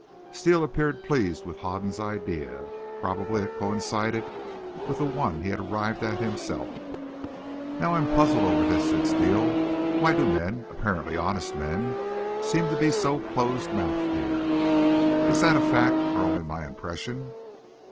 Steele appeared pleased with Hoden's idea. Probably it coincided with the one he had arrived at himself. "Now, I'm puzzled over this," said Steele. "Why do men, apparently honest men, seem to be so close mouthed here? Is that a fact or only my impression?"